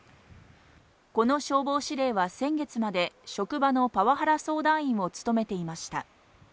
この消防司令は先月まで職場のパワハラ相談員を務めていました。